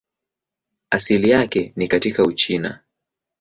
Asili yake ni katika Uchina.